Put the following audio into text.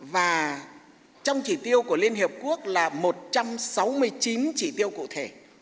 và trong chỉ tiêu của liên hiệp quốc là một trăm sáu mươi chín chỉ tiêu cụ thể